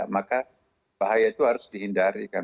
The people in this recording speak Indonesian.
maka bahaya itu harus dihindari kan